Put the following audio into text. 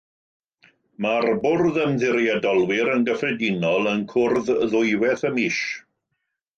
Mae'r bwrdd ymddiriedolwyr yn gyffredinol yn cwrdd ddwywaith y mis.